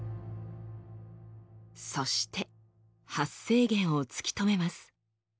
そして発生源を突き止めます。